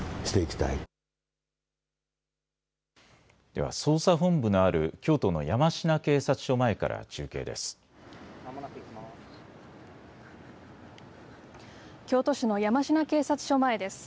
では捜査本部のある京都の山科警察署前から中継です。